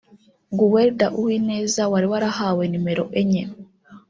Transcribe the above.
Guelda Uwineza wari wahawe nimero enye